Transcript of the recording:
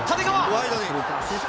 ワイドに。